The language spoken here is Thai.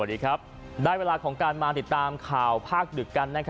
สวัสดีครับได้เวลาของการมาติดตามข่าวภาคดึกกัน